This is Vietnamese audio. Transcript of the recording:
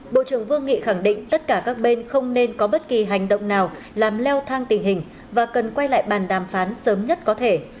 bộ trưởng vương nghị khẳng định tất cả các bên không nên có bất kỳ hành động nào làm leo thang tình hình và cần quay lại bàn đàm phán sớm nhất có thể